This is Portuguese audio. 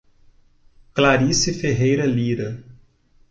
Clarice Ferreira Lyra